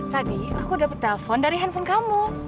tadi aku dapat telepon dari handphone kamu